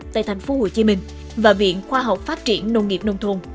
tại thành phố hồ chí minh và viện khoa học phát triển nông nghiệp nông thôn